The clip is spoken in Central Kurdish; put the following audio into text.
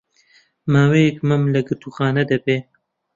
ماوەیەک مەم لە گرتووخانە دەبێ